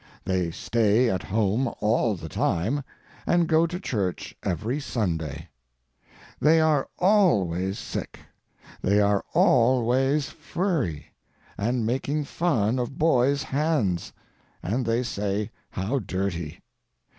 They stay at home all the time and go to church every Sunday. They are al ways sick. They are al ways furry and making fun of boys hands and they say how dirty.